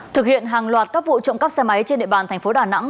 thực hiện hàng loạt các vụ trộm cắp xe máy trên địa bàn thành phố đà nẵng